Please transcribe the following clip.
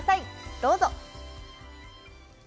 どうぞ！